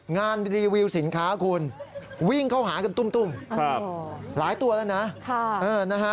รีวิวสินค้าคุณวิ่งเข้าหากันตุ้มหลายตัวแล้วนะ